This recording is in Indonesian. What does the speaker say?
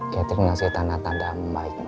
catherine ngasih tanda tanda membaik ma